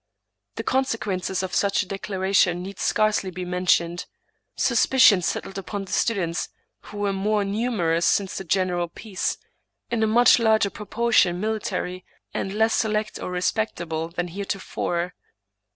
The consequences of such a declaration need scarcely be mentioned. Suspicion settled upon the students, who were more numerous since the gen eral peace, in a much larger proportion military, and less select or respectable than heretofore.